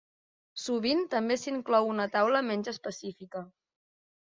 Sovint, també s'inclou una taula menys específica.